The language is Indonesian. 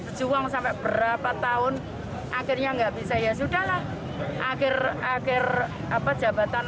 berjuang sampai berapa tahun akhirnya nggak bisa ya sudah lah akhir akhir apa jabatan